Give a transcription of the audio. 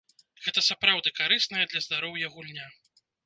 Гэта сапраўды карысная для здароўя гульня.